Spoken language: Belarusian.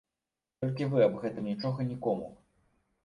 Толькі вы аб гэтым нічога нікому.